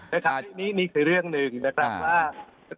นี่คือเรื่องหนึ่งนะครับว่า